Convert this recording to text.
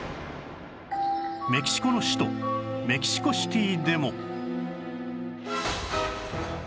メキシコの首都メキシコシティでも